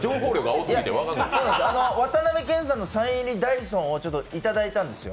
渡辺謙さんのサイン入りダイソンをいただいたんですよ。